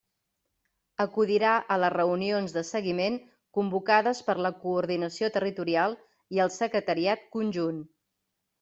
Acudirà a les reunions de seguiment convocades per la coordinació territorial i el Secretariat Conjunt.